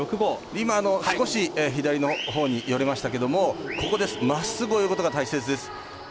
今、少し左のほうによれましたけどもまっすぐ泳ぐことが大切です。